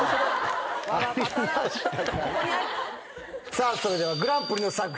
さあそれではグランプリの作品